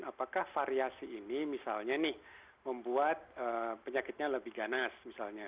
apakah variasi ini misalnya nih membuat penyakitnya lebih ganas misalnya